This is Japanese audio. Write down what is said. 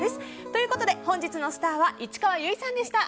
ということで本日のスターは市川由衣さんでした。